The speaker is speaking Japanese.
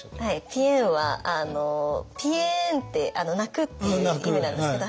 「ぴえん」はぴえんって泣くっていう意味なんですけど。